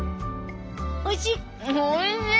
おいしい？